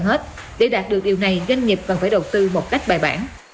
hết để đạt được điều này doanh nghiệp cần phải đầu tư một cách bài bản